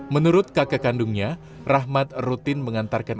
menurut kakak kandungnya rahmat rutin mengantarkan